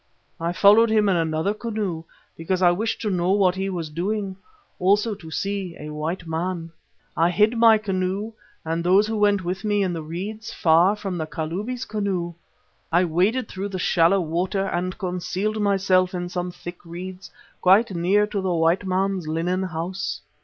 I followed him in another canoe, because I wished to know what he was doing, also to see a white man. I hid my canoe and those who went with me in the reeds far from the Kalubi's canoe. I waded through the shallow water and concealed myself in some thick reeds quite near to the white man's linen house.